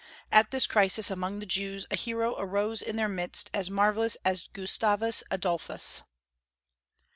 At this crisis among the Jews, a hero arose in their midst as marvellous as Gustavus Adolphus.